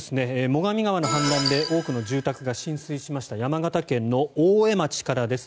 最上川の氾濫で多くの住宅が浸水しました山形県の大江町からです。